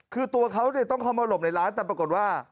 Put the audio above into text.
คือตัวเขาต้องเข้ามาหลบในร้านแต่ปรากฏว่า